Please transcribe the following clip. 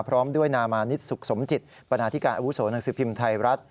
พร้อมด้วยนามานิดสุขสมจิตบรรณาธิการอาวุโสหนังสือพิมพ์ไทยรัฐ